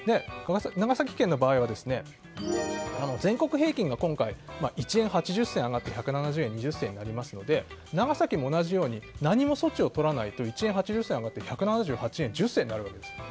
長崎県の場合は全国平均が今回１円８０銭上がって１７０円２０銭になりますので長崎も同じように何も措置をとらないと１円８０銭上がって１７８円１０銭になります。